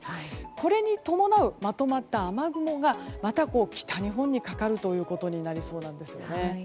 これに伴うまとまった雨雲がまた北日本にかかるということになりそうなんです。